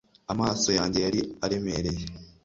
amaso yanjye yari aremereye